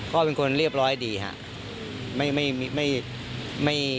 เขาเป็นคนเรียบร้อยดีครับไม่เกรลไม่อะไรครับ